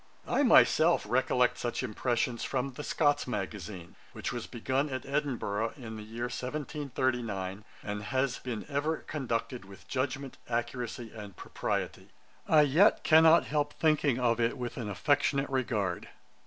I myself recollect such impressions from 'The Scots Magazine,' which was begun at Edinburgh in the year 1739, and has been ever conducted with judgement, accuracy, and propriety. I yet cannot help thinking of it with an affectionate regard.